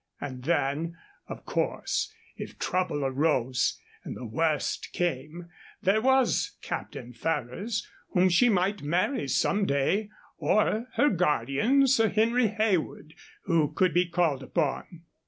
And then, of course, if trouble arose and the worst came, there was Captain Ferrers, whom she might marry some day, or her guardian, Sir Henry Heywood, who could be called upon.